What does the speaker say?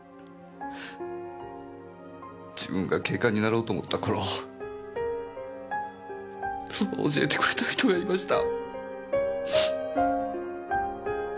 自分が警官になろうと思った頃そう教えてくれた人がいました。